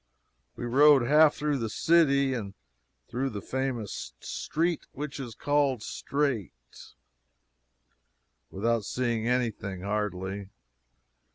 We rode half through the city and through the famous "street which is called Straight" without seeing any thing, hardly.